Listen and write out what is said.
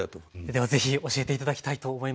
ではぜひ教えて頂きたいと思います。